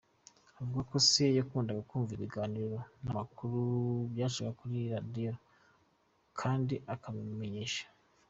Avuga ko se yakundaga kumva ibiganiro n’amakuru byacaga kuri Radio kandi akabimumenyesha.